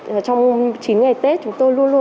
trong chín ngày tết chúng tôi luôn luôn